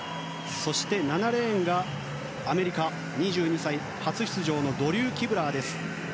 そして７レーンがアメリカの２２歳、初出場のドリュー・キブラーです。